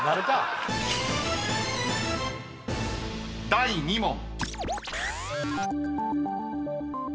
［第２問］